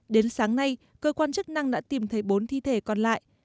đến sáng nay cơ quan chức năng đã tìm thấy bốn thi thể còn lại